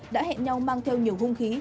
đã hẹn nhau mang theo nhiều hung khí